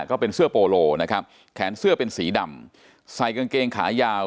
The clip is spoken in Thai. ก็เป็นเสื้อโปโลนะครับแขนเสื้อเป็นสีดำใส่กางเกงขายาว